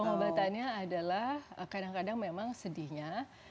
pengobatannya adalah kadang kadang memang sedihnya